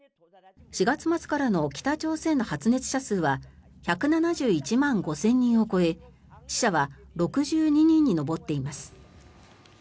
４月末からの北朝鮮の発熱者数は１７１万５０００人を超え死者は６２人に上っています。